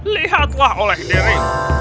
lihatlah oleh diri